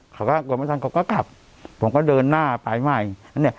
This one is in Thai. เขาก็กลัวไม่ทันเขาก็กลับผมก็เดินหน้าไปใหม่